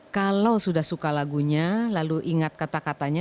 kalau sudah suka lagunya lalu ingat kata katanya